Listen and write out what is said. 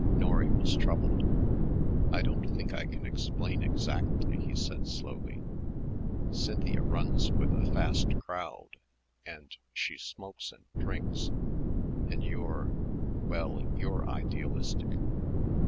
Norry was troubled. "I don't think I can explain exactly," he said slowly. "Cynthia runs with a fast crowd, and she smokes and drinks and you're well, you're idealistic."